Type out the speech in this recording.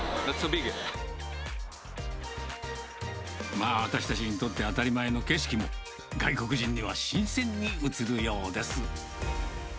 まあ、私たちにとっては当たり前の景色も、外国人には新鮮に映るようです。